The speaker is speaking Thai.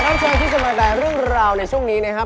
ท่านใครที่จะมาแต่เรื่องราวในช่วงนี้นะครับ